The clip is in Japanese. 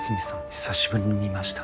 久しぶりに見ました。